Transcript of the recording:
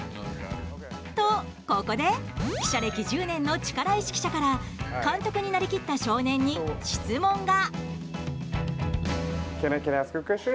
とここで、記者歴１０年の力石記者から監督になりきった少年に質問が。